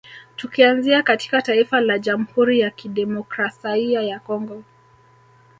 Tukianzia katika taifa la Jamhuri ya Kidemokrasaia ya Congo